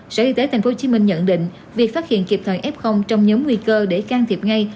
sở y tế tp hcm nhận định việc phát hiện kịp thời f trong nhóm nguy cơ để can thiệp ngay